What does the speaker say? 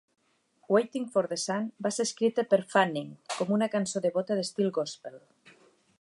"Waiting for the Sun" va ser escrita per Fanning com una cançó devota d'estil gòspel.